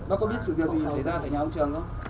đó có biết sự việc gì xảy ra tại nhà ông trường không